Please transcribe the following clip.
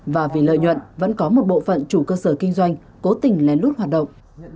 và vì lợi nhuận vẫn có một bộ phận chủ cơ sở kinh doanh cố tình lén lút hoạt động